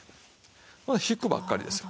引くばっかりですよ